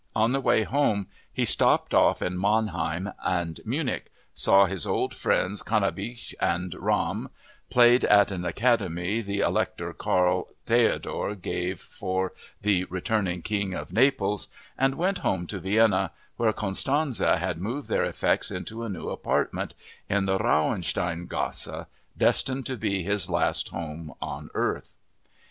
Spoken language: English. On the way home he stopped off in Mannheim and Munich, saw his old friends Cannabich and Ramm, played at an academy the Elector Carl Theodor gave for the returning King of Naples, and went home to Vienna, where Constanze had moved their effects into a new apartment in the Rauhensteingasse—destined to be his last home on earth!